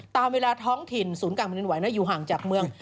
ตามเวลาท้องถิ่นศูนย์กลางแผ่นดินไหวอยู่ห่างจากเมือง